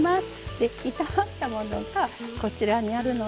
で炒まったものがこちらにあるので。